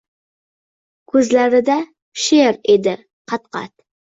Ko’zlarida she’r edi qat-qat